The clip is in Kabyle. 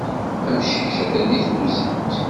Amcic atan di tkuzint.